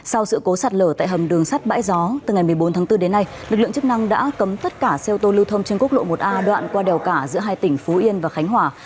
sau sự cố sạt lở tại hầm đường sắt bãi gió từ ngày một mươi bốn tháng bốn đến nay lực lượng chức năng đã cấm tất cả xe ô tô lưu thông trên quốc lộ một a đoạn qua đèo cả giữa hai tỉnh phú yên và khánh hòa